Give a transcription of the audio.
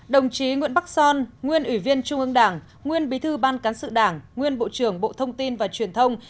đồng chí nguyễn bắc son nguyên ủy viên trung ương đảng nguyên bí thư ban cán sự đảng nguyên bộ trưởng bộ thông tin và truyền thông